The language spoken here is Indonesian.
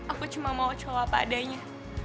aku cuma mau coba apa adanya